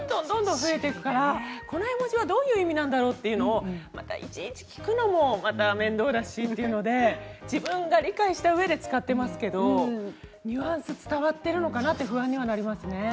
どんどん増えるからこの絵文字はどういう意味なんだろうというのを、いちいち聞くのもまた面倒だしというので自分が理解したうえで使っていますけどニュアンス伝わっているのかな？って不安にはなりますね。